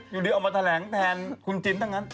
อยู่ดีออกมาแถลงแทนคุณจินทั้งนั้น